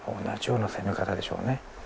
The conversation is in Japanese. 同じような攻め方でしょうね